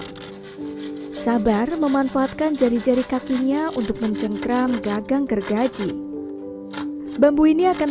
fe su joy sabar memanfaatkan jari jari katinya untuk mencengkram gagang gergaji bambu ini akan